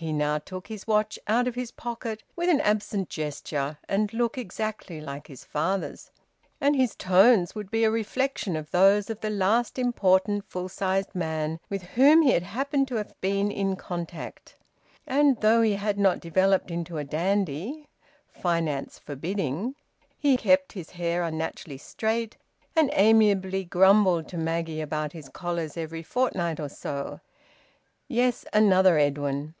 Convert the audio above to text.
He now took his watch out of his pocket with an absent gesture and look exactly like his father's; and his tones would be a reflection of those of the last important full sized man with whom he had happened to have been in contact. And though he had not developed into a dandy (finance forbidding), he kept his hair unnaturally straight, and amiably grumbled to Maggie about his collars every fortnight or so. Yes, another Edwin!